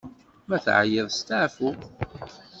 Ma teɛyiḍ, steɛfu!